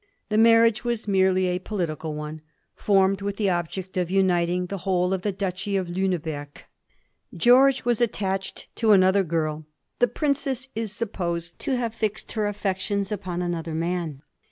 The marriage was merely a political one, formed with the object of uniting the whole of the Duchy of Liine berg. George was attached to another girl ; the Prin cess is supposed to have fixed her affections upon another man.